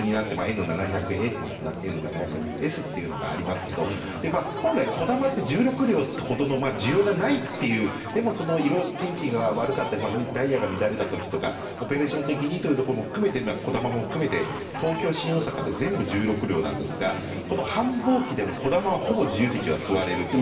Ｎ４００Ｓ、７００っていう車両があって本来、こだまって１６両ほどの需要がないっていうでも、色々天気が悪かったりダイヤが乱れた時にオペレーション的にこだまも含めて東京新大阪って全部１６両なんですがこの繁忙期でも、こだまはほぼ自由席は座れると。